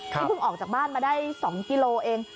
ที่เพิ่งออกจากบ้านมาได้๒กิโลเอง